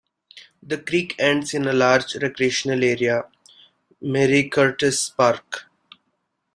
The creek ends in a large recreational area, Marie Curtis Park.